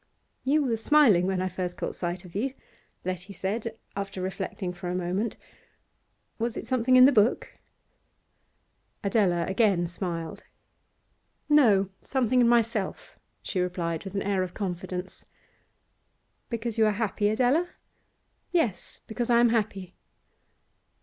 'You were smiling when I first caught sight of you,' Letty said, after reflecting for a moment. 'Was it something in the book?' Adela again smiled. 'No, something in myself,' she replied with an air of confidence. 'Because you are happy, Adela?' 'Yes, because I am happy.